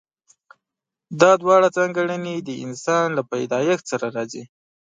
دا دواړه ځانګړنې د انسان له پيدايښت سره راځي.